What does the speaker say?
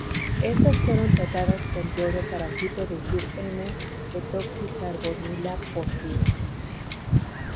Éstas fueron tratadas con yodo para así producir "N"-etoxicarbonilaporfinas.